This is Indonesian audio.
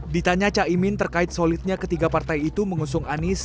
ditanya caimin terkait solidnya ketiga partai itu mengusung anies